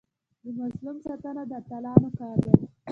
د مظلوم ساتنه د اتلانو کار دی.